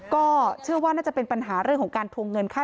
ก็เชื่อว่าน่าจะเป็นปัญหาเรื่องของการทวงเงินค่า